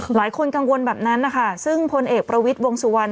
หลายคนกังวลแบบนั้นนะคะซึ่งพลเอกประวิทย์วงสุวรรณ